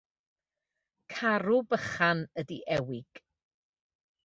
Carw bychan ydy ewig.